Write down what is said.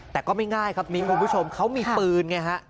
แต่ก็ไม่ง่ายครับผู้ผู้ชมเขามีปืน